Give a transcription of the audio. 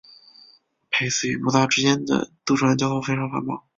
佩斯与布达之间的渡船交通非常繁忙。